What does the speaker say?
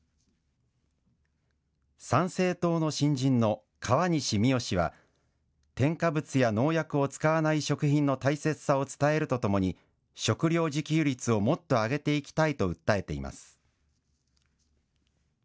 参政党の新人の河西泉緒氏は添加物や農薬を使わない食品の大切さを伝えるとともに食料自給率をもっと上げていきたいと訴えています。